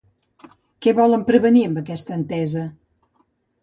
Què volen prevenir amb aquesta entesa?